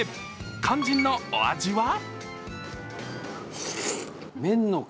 肝心のお味は？